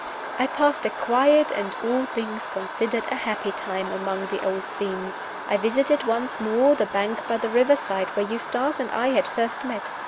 I passed a quiet and (all things considered) a happy time among the old scenes. I visited once more the bank by the river side, where Eustace and I had first met.